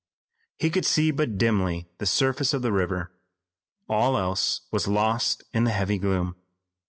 He could see but dimly the surface of the river. All else was lost in the heavy gloom.